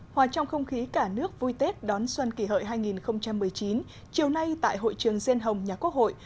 hòa trong không khí cả nước vui tết đón xuân kỷ hợi hai nghìn một mươi chín chiều nay tại hội trường diên hồng nhà quốc hội